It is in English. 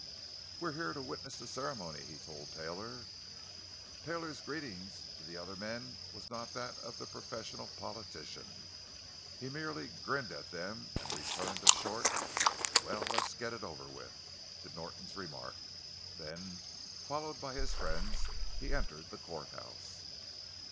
"We're here to witness the ceremony," he told Taylor. Taylor's greeting to the other men was not that of the professional politician. He merely grinned at them and returned a short: "Well, let's get it over with," to Norton's remark. Then, followed by his friends, he entered the courthouse.